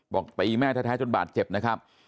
บอกตีแม่แท้จนบาดเจ็บนะครับ